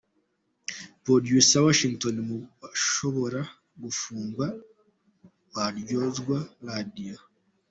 Producer Washington mu bashobora gufungwa baryozwa Radio.